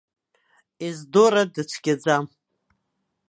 Ездора дыцәгьаӡам.